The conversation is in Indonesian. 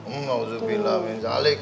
alhamdulillah min sya allah